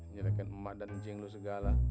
nyelekin emak dan ujing lo segala